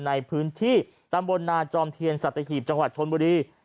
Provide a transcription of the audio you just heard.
ในพื้นที่ตำบลนาจอมเทียนสัตหีบจังหวัดชนบุรี